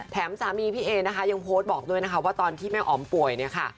สามีพี่เอนะคะยังโพสต์บอกด้วยนะคะว่าตอนที่แม่อ๋อมป่วยเนี่ยค่ะ